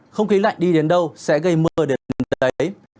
không khí lạnh đi đến đâu sẽ gây mưa đến nền đáy